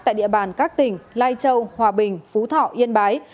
tại địa bàn các tỉnh lai châu hòa bình phú thọ yên bái